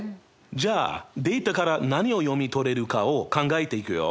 じゃあデータから何を読み取れるかを考えていくよ。